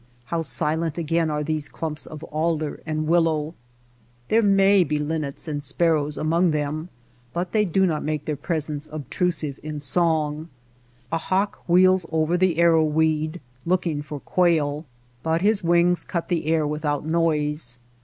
How silent again are these clumps of alder and willow ! There may be linnets and sparrows among them but they do not make their presence obtrusive in song. A hawk wheels along over the arrow weed looking for quail, but his wings cut the air without noise.